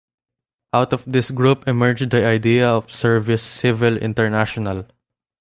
Out of this group emerged the idea of Service Civil International.